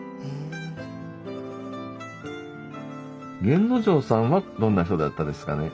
源之丞さんはどんな人だったですかね？